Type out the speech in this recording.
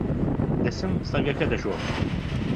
دەچم سەگەکە دەشۆم.